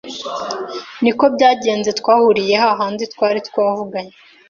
Niko byagenze twahuriye hahandi twari twavuganye,